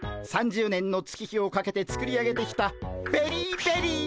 ３０年の月日をかけて作り上げてきたベリーベリー